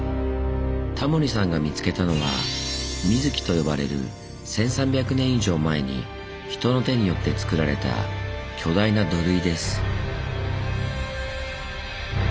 タモリさんが見つけたのは「水城」と呼ばれる１，３００年以上前に人の手によってつくられた巨大な土塁です。